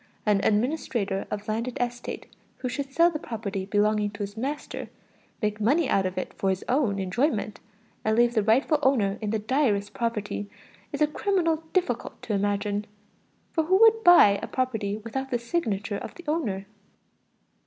An administrator of landed estate who should sell the property belonging to his master, make money out of it for his own enjoyment, and leave the rightful owner in the direst poverty, is a criminal difficult to imagine. For who would buy a property without the signature of the owner?